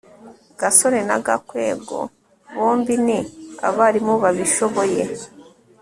gasore na gakwego bombi ni abarimu babishoboye